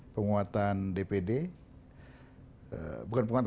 yang kemudian yang berikutnya adalah penguatan mpr